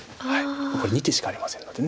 これ２手しかありませんので。